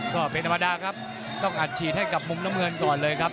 ต้องอัดถีดกับมุมน้ำเงินก่อนเลยครับ